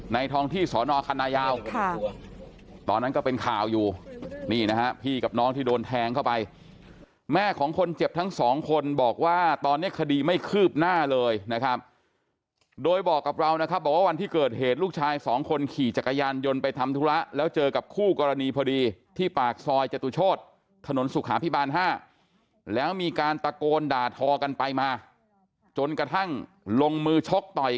ทองที่สอนอคันนายาวตอนนั้นก็เป็นข่าวอยู่นี่นะฮะพี่กับน้องที่โดนแทงเข้าไปแม่ของคนเจ็บทั้งสองคนบอกว่าตอนนี้คดีไม่คืบหน้าเลยนะครับโดยบอกกับเรานะครับบอกว่าวันที่เกิดเหตุลูกชายสองคนขี่จักรยานยนต์ไปทำธุระแล้วเจอกับคู่กรณีพอดีที่ปากซอยจตุโชธถนนสุขาพิบาล๕แล้วมีการตะโกนด่าทอกันไปมาจนกระทั่งลงมือชกต่อย